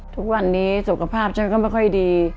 ทุกวันนี้สุขภาพฉันก็ไม่ค่อยดี